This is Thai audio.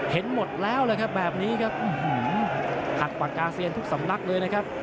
เห็นหมดแล้วเลยครับแบบนี้ครับหักปากกาเซียนทุกสำนักเลยนะครับ